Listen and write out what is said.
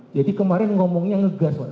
jadi kemarin ngomongnya ngegas pak